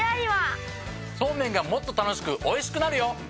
そうめんがもっと楽しくおいしくなるよ！